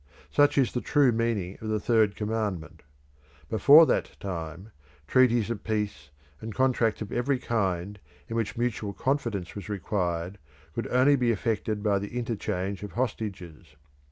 Such is the true meaning of the Third Commandment. Before that time treaties of peace and contracts of every kind in which mutual confidence was required could only be effected by the interchange of hostages.